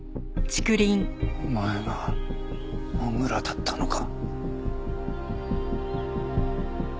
お前が土竜だったのか。